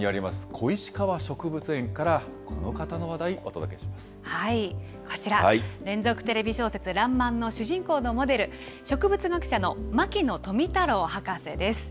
小石川植物園から、こちら、連続テレビ小説、らんまんの主人公のモデル、植物学者の牧野富太郎博士です。